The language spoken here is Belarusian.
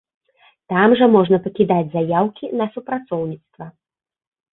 Там жа можна пакідаць заяўкі на супрацоўніцтва.